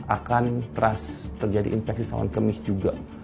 akan terjadi infeksi salon kemih juga